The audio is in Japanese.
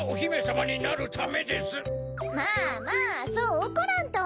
まぁまぁそうおこらんと。